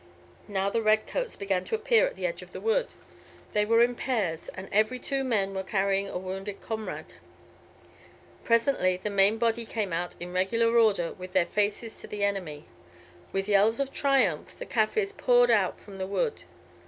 Now the redcoats began to appear at the edge of the wood. They were in pairs, and every two men were carrying a wounded comrade. Presently the main body came out in regular order with their faces to the enemy. With yells of triumph the Kaffirs poured out from the wood.